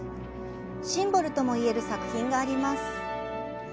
シンボルともいえる作品があります。